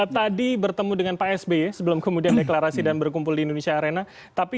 tadi bertemu dengan pak sby sebelum kemudian deklarasi dan berkumpul di indonesia arena tapi